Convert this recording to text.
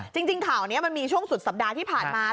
จริงข่าวนี้มันมีช่วงสุดสัปดาห์ที่ผ่านมา